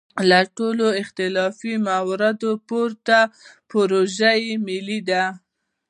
له ټولو اختلافي مواردو پورته دا پروژه ملي ده.